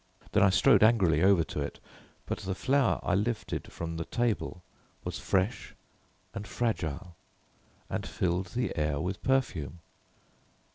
Then I strode angrily over to it. But the flower I lifted from the table was fresh and fragile and filled the air with perfume.